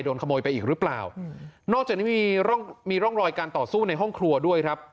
โดนขโมยไปอีกหรือเปล่านอกจากนี้มีร่องมีร่องรอยการต่อสู้ในห้องครัวด้วยครับ